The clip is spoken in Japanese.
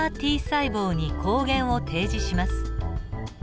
Ｔ細胞に抗原を提示します。